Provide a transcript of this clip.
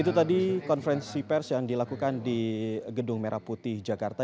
itu tadi konferensi pers yang dilakukan di gedung merah putih jakarta